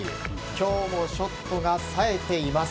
今日もショットが冴えています。